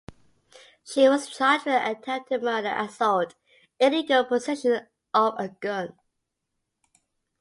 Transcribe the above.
She was charged with attempted murder, assault, and illegal possession of a gun.